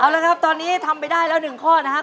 เอาละครับตอนนี้ทำไปได้แล้ว๑ข้อนะครับ